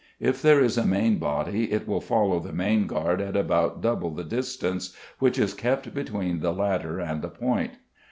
If there is a main body it will follow the main guard at about double the distance which is kept between the latter and the point.